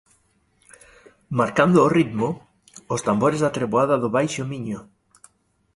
Marcando o ritmo, os tambores da Treboada do Baixo Miño.